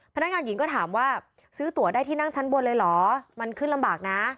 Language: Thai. พนักงานหญิงก็ถามว่าซื้อตัวได้ที่นั่งชั้นบนเลยเหรอมันขึ้นลำบากนะ